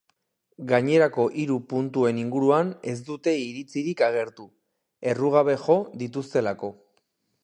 Gainerako hiru puntuen inguruan ez dute iritzirik agertu, errugabe jo dituztelako.